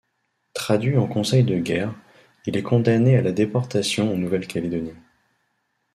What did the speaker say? Traduit en Conseil de Guerre, il est condamné à la déportation en Nouvelle-Calédonie.